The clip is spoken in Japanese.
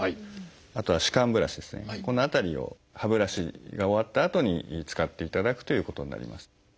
この辺りを歯ブラシが終わったあとに使っていただくということになります。